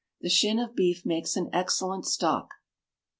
The shin of beef makes an excellent stock.